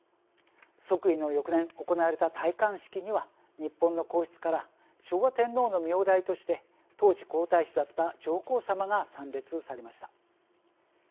即位の翌年行われた戴冠式には日本の皇室から昭和天皇の名代として当時皇太子だった上皇さまが参列されました。